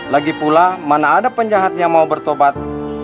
lagi pula mana ada penjahat yang mau bertobat